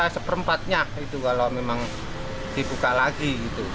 itu bisa seperempatnya kalau memang dibuka lagi